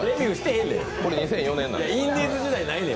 これ２００４年なんで。